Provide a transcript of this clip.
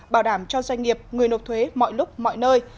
bảo đảm cho doanh nghiệp người nộp thuế mọi lúc mọi nơi